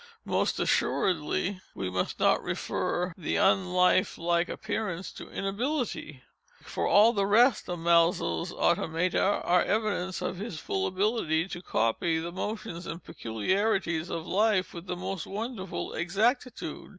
Most assuredly we must not refer the unlife like appearances to inability—for all the rest of Maelzel's automata are evidence of his full ability to copy the motions and peculiarities of life with the most wonderful exactitude.